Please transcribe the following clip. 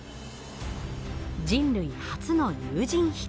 人類初の有人飛行。